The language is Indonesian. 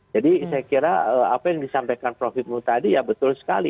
jadi saya kira apa yang disampaikan prof ibu tadi ya betul sekali